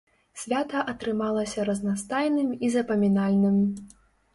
Свята атрымалася разнастайным і запамінальным.